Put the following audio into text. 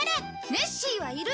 ネッシーはいる！